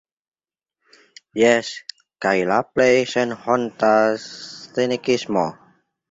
Jes, kaj la plej senhonta cinikismo.